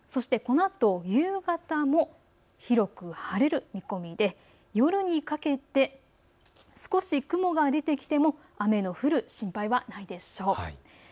このあと夕方も広く晴れる見込みで夜にかけて少し雲が出てきても雨が降る心配はないでしょう。